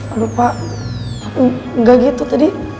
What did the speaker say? aduh pak nggak gitu tadi